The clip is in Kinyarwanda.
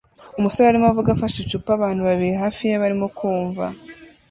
Umusore arimo avuga afashe icupa abantu babiri hafi ye barimo kumva